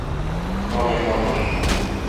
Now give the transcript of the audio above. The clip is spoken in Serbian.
То не можеш.